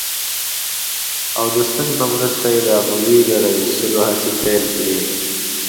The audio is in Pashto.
او د ستنې په مرسته یې د اغزي د را ویستلو هڅې پیل کړې.